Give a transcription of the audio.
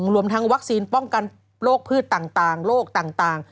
รวมทั้งวัคซีนป้องกันโรคพืชต่างโรคต่าง